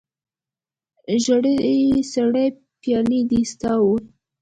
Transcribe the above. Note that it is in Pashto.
ژړې سرې پیالې دې ستا وي